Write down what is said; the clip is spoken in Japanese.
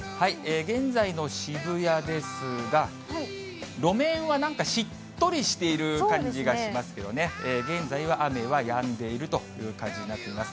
現在の渋谷ですが、路面はなんかしっとりしている感じがしますけどね、現在は雨はやんでいるという感じになっています。